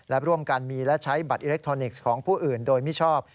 และร่วมกันมีและใช้บัตรอิเล็กทรอนิกส์ของผู้อื่นโดยมิชอบ